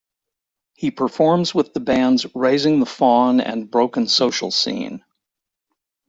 He performs with the bands Raising the Fawn and Broken Social Scene.